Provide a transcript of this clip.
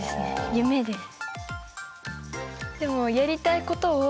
夢です。